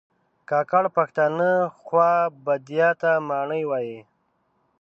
کاکړ پښتانه خوابدیا ته ماڼی وایي